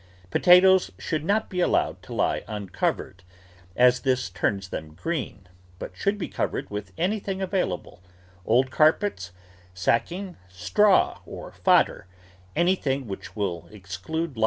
Potatoes should not be allowed to lie uncovered, as this turns them green, but should be covered with any thing available — old carpets, sacking, straw, or fodder — anything which will exclude light.